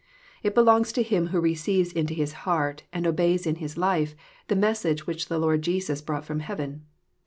It belongs to him who receives into his heart, and obeys in his life, the messi^e which the Lord Jesus brought from heaven.